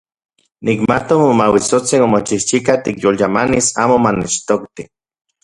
Nikmatok Momauitsotsin omochijchika tikyolyamanis amo manechtokti.